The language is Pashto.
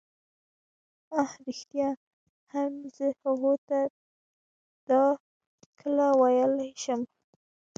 اه ریښتیا هم زه هغو ته دا کله ویلای شم.